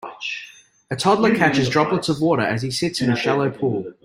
A toddler catches droplets of water as he sits in a shallow pool.